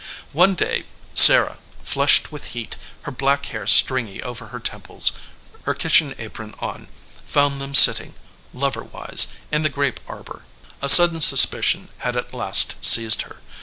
One day, Sarah, flushed with heat, her black hair stringy over her temples, her kitchen apron on, found them sitting, lover wise, in the grape arbor. A sudden suspicion had at last seized her.